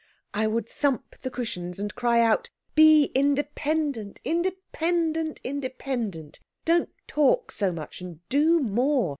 "I would thump the cushions, and cry out, 'Be independent, independent, independent! Don't talk so much, and do more.